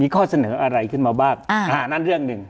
ข้อเสนออะไรขึ้นมาบ้างนั่นเรื่องหนึ่ง